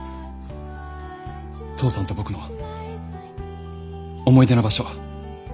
父さんと僕の思い出の場所。